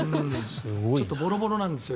ちょっとボロボロなんですよ。